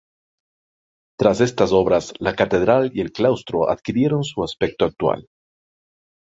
Tras estas obras, la catedral y el claustro adquirieron su aspecto actual.